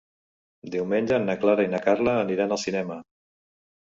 Diumenge na Clara i na Carla aniran al cinema.